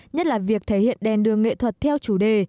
nhất là việc thể hiện đèn đường nghệ thuật theo chủ đề